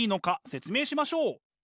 説明しましょう！